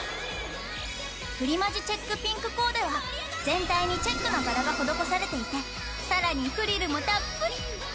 プリマジチェックピンクコーデは全体にチェックの柄が施されていて更にフリルもたっぷり。